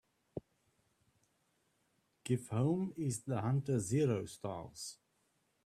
Give Home Is the Hunter zero stars